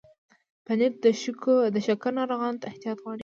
پنېر د شکر ناروغانو ته احتیاط غواړي.